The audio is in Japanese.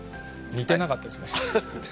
似てなかったですね。